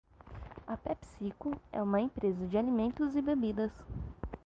PepsiCo é uma empresa de alimentos e bebidas.